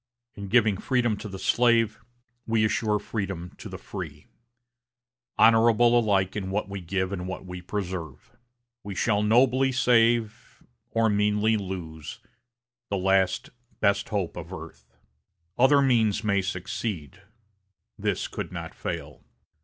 In giving freedom to the slave, we assure freedom to the free honorable alike in what we give and what we preserve. We shall nobly save, or meanly lose, the last, best hope of earth. Other means may succeed, this could not fail.